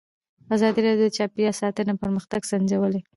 ازادي راډیو د چاپیریال ساتنه پرمختګ سنجولی.